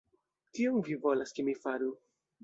Kion vi volas, ke mi faru!